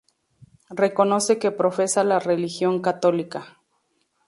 Reconoce que profesa la religión católica.